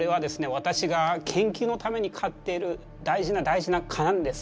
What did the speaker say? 私が研究のために飼っている大事な大事な蚊なんです。